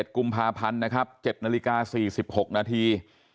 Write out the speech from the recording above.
๑กุมภาพันธ์นะครับ๗นาฬิกา๔๖นาที